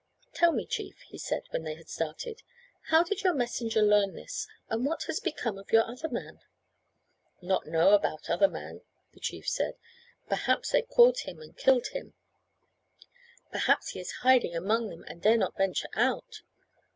"Tell me, chief," he said, when they had started, "how did your messenger learn this, and what has become of your other man?" "Not know about other man," the chief said. "Perhaps they caught him and killed him; perhaps he is hiding among them and dare not venture out.